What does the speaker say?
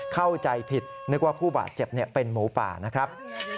เข้าใจผิดนึกว่าผู้บาดเจ็บเป็นหมูป่านะครับ